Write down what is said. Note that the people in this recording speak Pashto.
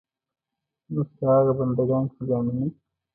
نو ستا هغه بندګان چې ځانونه.